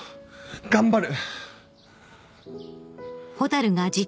頑張る。